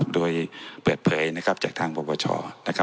โดยเปิดเผยจากทางประวัติศาสตร์นะครับ